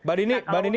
bapak dini bapak dini